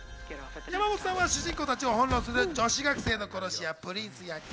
山本さんは主人公たちを翻弄する女子学生の殺し屋・プリンス役。